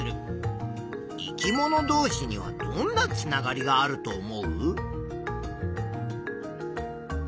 生き物どうしにはどんなつながりがあると思う？